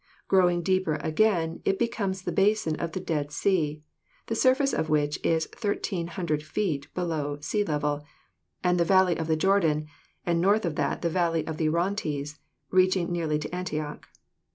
Growing deeper again, it becomes the basin of the Dead Sea, the surface of which is 1,300 feet below sea level, and the valley of the Jordan, and north of that the valley of the Orontes, reaching nearly to Antioch.